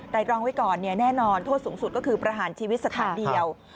รองไว้ก่อนแน่นอนโทษสูงสุดก็คือประหารชีวิตสถานเดียว